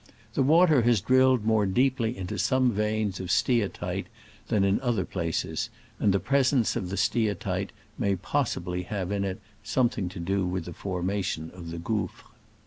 The water has drilled more deeply into some veins of steatite than in other places, and the presence of the steatite may possibly have had something to do with the form ation of the gouffre.